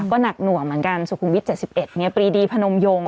ก็หนักหน่วงเหมือนกันสุขุมวิทย๗๑ปรีดีพนมยง